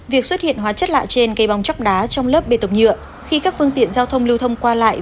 việc xuất hiện hóa chất lạ trên cây bong chóc đá trong lớp bê tổng nhựa khi các phương tiện giao thông lưu thông qua lại